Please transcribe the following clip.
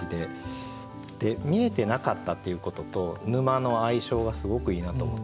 「みえてなかった」っていうことと「沼」の相性がすごくいいなと思ったんで。